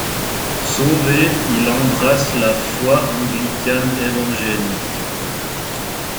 Sauvé, il embrasse la foi anglicane évangélique.